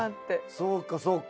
そうかそうか。